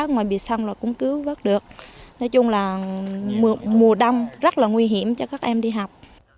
nói chung là mùa đông rất là nguy hiểm cho các em đi học